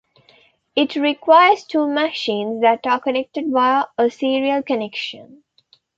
It requires two machines that are connected via a serial connection.